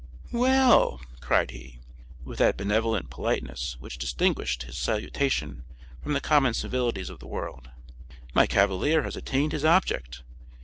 "Well," cried he, with that benevolent politeness which distinguished his salutation from the common civilities of the world, "my cavalier has attained his object.